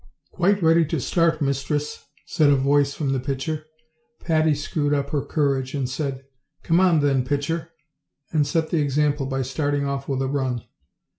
"Quite ready to start, mistress," said a voice from the pitcher. Patty screwed up her courage, and said, "Come on, then, pitcher," and set the example by start ing off with a run.